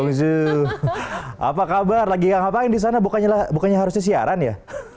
oh bonjour apa kabar lagi ngapain di sana bukannya harusnya siaran ya